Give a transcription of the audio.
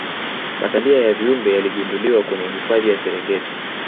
Masalia ya viumbe yaligunduliwa kwenye hifadhi ya serengeti